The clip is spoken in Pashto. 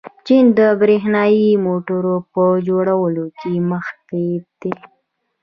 چین د برښنايي موټرو په جوړولو کې مخکښ دی.